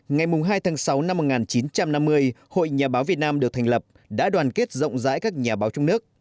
ngày hai tháng sáu năm một nghìn chín trăm năm mươi hội nhà báo việt nam được thành lập đã đoàn kết rộng rãi các nhà báo trong nước